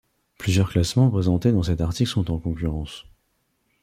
Plusieurs classements présentés dans cet article sont en concurrence.